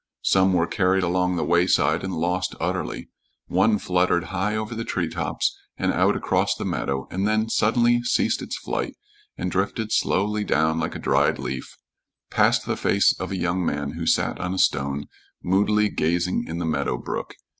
Some were carried along the wayside and lost utterly. One fluttered high over the tree tops and out across the meadow, and then suddenly ceased its flight and drifted slowly down like a dried leaf, past the face of a young man who sat on a stone, moodily gazing in the meadow brook.